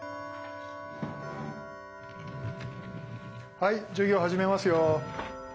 はい授業始めますよ。